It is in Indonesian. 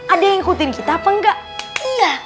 ada yang ikutin kita apa enggak iya